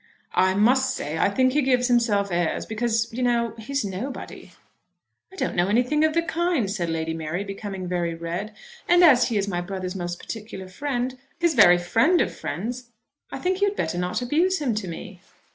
"I must say I think he gives himself airs; because, you know, he's nobody." "I don't know anything of the kind," said Lady Mary, becoming very red. "And as he is my brother's most particular friend, his very friend of friends, I think you had better not abuse him to me."